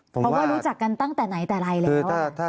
เพราะว่ารู้จักกันตั้งแต่ไหนแต่ไรแล้ว